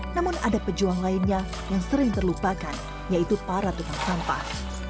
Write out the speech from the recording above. namun ada pejuang lainnya yang sering terlupakan yaitu para tukang sampah